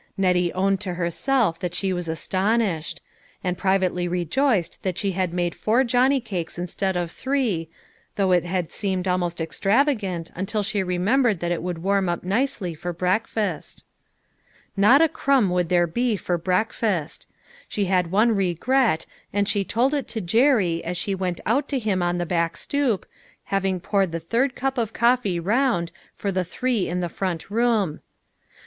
Nettie owned to herself that she was astonished ; and privately rejoiced that she had made four johnny cakes instead of three, though it had seemed almost extravagant until she remembered that it would warm up nicely for breakfast. Not a crumb A COMPLETE SUCCESS. 217 would there be for breakfast. She had one re gret and she told it to Jerry as she went out to him on the back stoop, having poured the third cup of coffee around, for the three in the front room.